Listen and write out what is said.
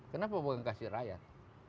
kenapa bukan kasih rakyat